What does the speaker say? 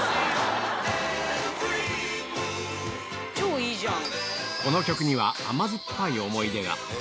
超いいじゃん。